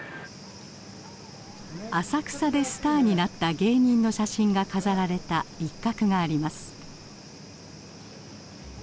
浅草でスターになった芸人の写真が飾られた一角があります。